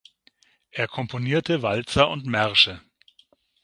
Er komponierte Walzer und Märsche.